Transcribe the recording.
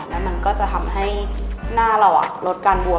แล้วมันก็จะทำให้หน้าเราลดการบวม